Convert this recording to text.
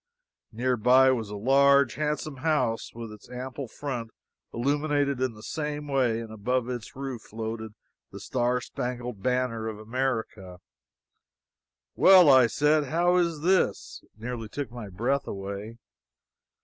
Nearby was a large, handsome house with its ample front illuminated in the same way, and above its roof floated the Star Spangled Banner of America. "Well!" I said. "How is this?" It nearly took my breath away.